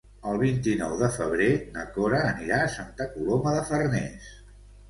El vint-i-nou de febrer na Cora anirà a Santa Coloma de Farners.